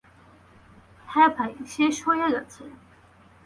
হাঁ ভাই, শেষ হইয়া গেছে।